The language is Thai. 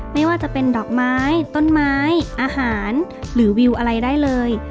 ไม่ว่าจะเป็นดอกไม้ต้นไม้อาหารหรือวิวอะไรได้เลย